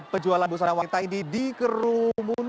pejualan busana wanita ini dikerupakan